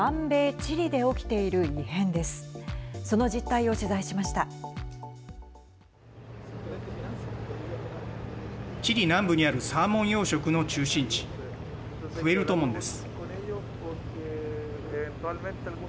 チリ南部にあるサーモン養殖の中心地プエルトモンです。